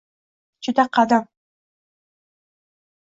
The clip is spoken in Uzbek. Juda qadim